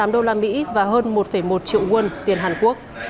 ba trăm sáu mươi tám đô la mỹ và hơn một một triệu won tiền hàn quốc